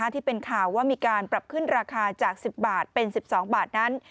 ที่เป็นข่าวว่ามีการปรับขึ้นราคาจาก๑๐บาทเป็น๑๒บาทนั้น